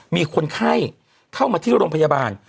มีคนไข้เข้ามาที่โรงพยาบาล